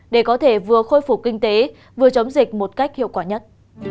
để có thể vừa khôi phục kinh tế vừa chống dịch một cách hiệu quả nhất